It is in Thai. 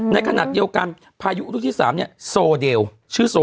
ในขณะเดียวกันพายุลูกที่๓เนี่ยโซเดลชื่อโซ